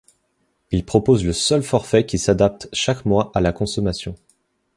Il propose le seul forfait qui s’adapte chaque mois à la consommation.